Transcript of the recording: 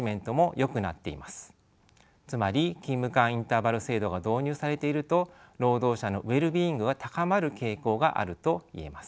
つまり勤務間インターバル制度が導入されていると労働者のウェルビーイングが高まる傾向があると言えます。